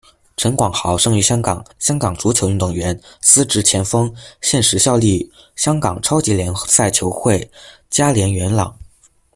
陈广豪，生于香港，香港足球运动员，司职前锋，现时效力香港超级联赛球会佳联元朗。